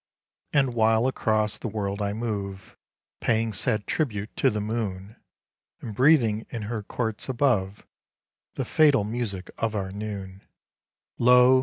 And while across the world I move Paying sad tribute to the moon, And breathing in her courts above The fatal music of our noon, Lo